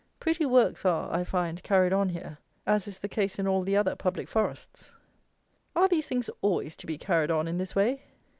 Pretty works are, I find, carried on here, as is the case in all the other public forests! Are these things always to be carried on in this way?